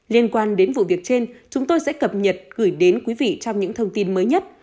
liên quan đến vụ việc trên chúng tôi sẽ cập nhật gửi đến quý vị trong những thông tin mới nhất